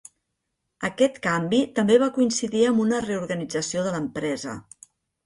Aquest canvi també va coincidir amb una reorganització de l'empresa.